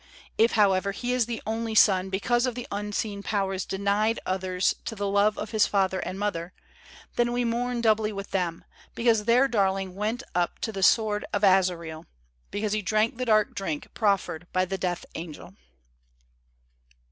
If, however, he is the only son because the Unseen Powers denied others to the love of his father and mother, then mourn doubly with them, because their darling went up t. the sword of Azr r drank the dark drink proffered by the Death Angel.